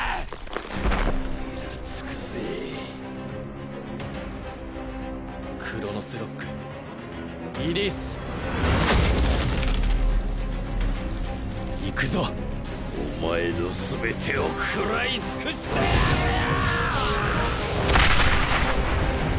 イラつくぜクロノスロックリリースいくぞお前の全てを食らい尽くしてやるよ！